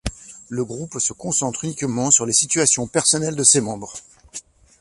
Le groupe se concentre uniquement sur les situations personnelles de ses membres.